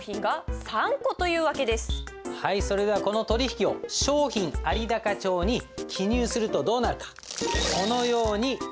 それではこの取引を商品有高帳に記入するとどうなるかこのようになります。